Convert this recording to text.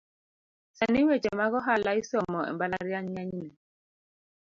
Sani weche mag ohala isomo embalariany ng’enyne